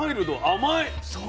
甘い。